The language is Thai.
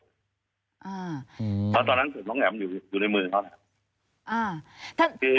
เพราะตอนนั้นเขาจำเปุ่งที่สินถิวติดอยู่ในมือเขา